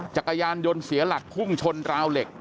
จักรยานยนต์เสียหลักพุ่งชนราวเหล็ก